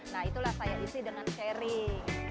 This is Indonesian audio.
nah itulah saya isi dengan sharing